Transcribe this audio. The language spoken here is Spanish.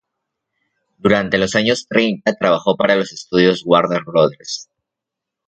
Durante los años treinta trabajó para los estudios Warner Brothers.